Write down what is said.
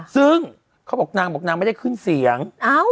ซึ่งเขาบอกนางบอกนางไม่ได้ขึ้นเสียง